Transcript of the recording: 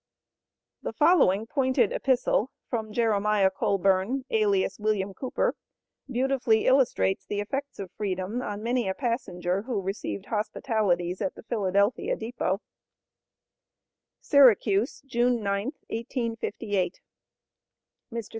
The following pointed epistle, from Jeremiah Colburn alias William Cooper, beautifully illustrates the effects of Freedom on many a passenger who received hospitalities at the Philadelphia depot SYRACUSE, June 9th, 1858. MR.